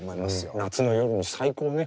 夏の夜に最高ね。